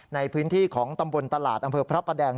ในพื้นที่ของตำบลตลาดอำเภอพระประแดง